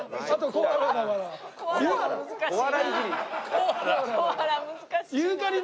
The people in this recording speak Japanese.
コアラ難しいな。